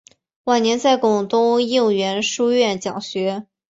晚年在广东应元书院讲学。